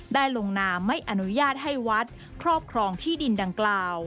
ลงนามไม่อนุญาตให้วัดครอบครองที่ดินดังกล่าว